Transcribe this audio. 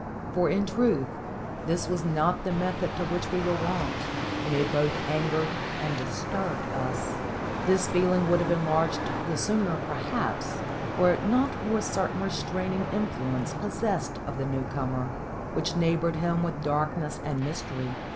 For, in truth, this was not the method to which we were wont, and it both angered and disturbed us. This feeling would have enlarged the sooner, perhaps, were it not for a certain restraining influence possessed of the new comer, which neighboured him with darkness and mystery.